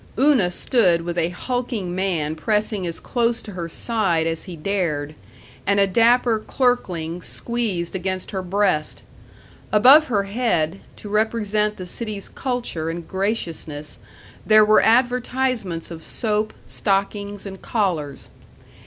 Una stood with a hulking man pressing as close to her side as he dared, and a dapper clerkling squeezed against her breast. Above her head, to represent the city's culture and graciousness, there were advertisements of soap, stockings, and collars.